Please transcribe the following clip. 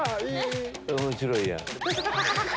面白いやん。